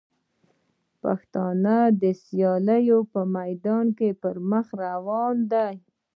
پښتو د سیالۍ په میدان کي پر مخ روانه ده.